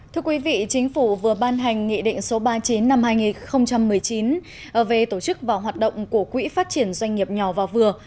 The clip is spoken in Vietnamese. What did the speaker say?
thưa quý vị chính phủ vừa ban hành nghị định số ba mươi chín năm hai nghìn một mươi chín về tổ chức và hoạt động của quỹ phát triển doanh nghiệp nhỏ và vừa